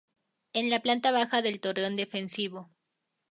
En la planta baja del torreón defensivo.